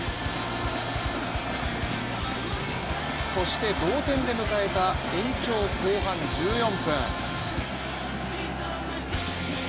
そして同点で迎えた延長後半１４分。